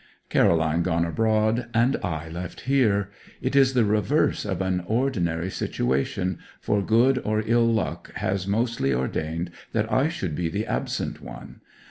Caroline gone abroad, and I left here! It is the reverse of an ordinary situation, for good or ill luck has mostly ordained that I should be the absent one.